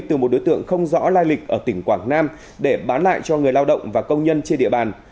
từ một đối tượng không rõ lai lịch ở tỉnh quảng nam để bán lại cho người lao động và công nhân trên địa bàn